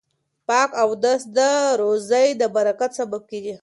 پاک اودس د روزۍ د برکت سبب کیږي.